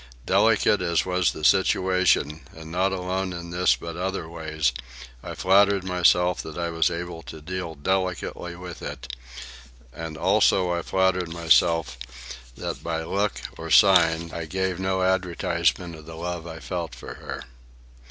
Delicate as was the situation, not alone in this but in other ways, I flattered myself that I was able to deal delicately with it; and also I flattered myself that by look or sign I gave no advertisement of the love I felt for her.